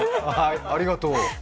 ありがとう。